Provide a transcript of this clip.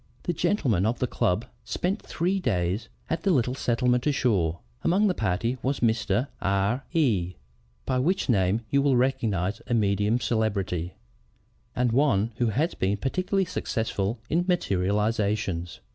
The gentlemen of the club spent three days at the little settlement ashore. Among the party was Mr. R E , by which name you will recognize a medium of celebrity, and one who has been particularly successful in materializations.